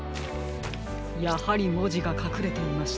やはりもじがかくれていましたか。